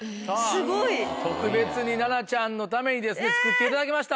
特別に七菜ちゃんのために作っていただきました。